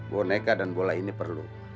boneka dan bola ini perlu